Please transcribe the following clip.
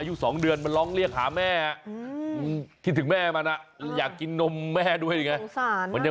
อายุ๒เดือนมันร้องเรียกหาแม่คิดถึงแม่มันอยากกินนมแม่ด้วยไง